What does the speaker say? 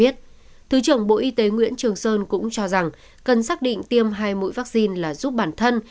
thứ trưởng bộ y tế nguyễn trường sơn cũng cho rằng cần xác định tiêm hai mũi vaccine là giúp bản thân